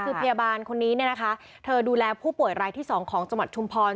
คือพยาบาลคนนี้เนี่ยนะคะเธอดูแลผู้ป่วยรายที่๒ของจังหวัดชุมพร